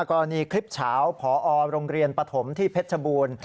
กรณีคลิปเฉาพอโรงเรียนปฐมที่เพชรชบูรณ์